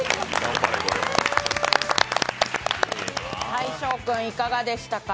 大昇君、いかがでしたか？